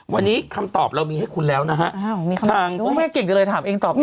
วันนี้คำตอบเรามีให้คุณแล้วนะฮะอ้าวมีคำตอบด้วยทางปุ๊บแม่กิ่งเลยถามเองตอบเอง